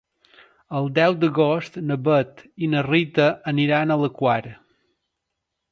El deu d'agost na Bet i na Rita aniran a la Quar.